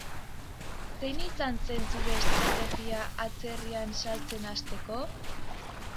Zein izan zen zure estrategia atzerrian saltzen hasteko?